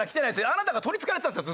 あなたが取りつかれてたんですよ